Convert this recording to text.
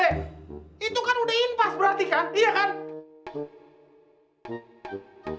itu kan udah impas berarti kan iya kan